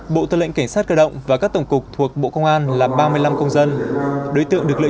bộ tư lệnh cảnh sát cơ động và các tổng cục thuộc bộ công an là ba mươi năm công dân đối tượng được lựa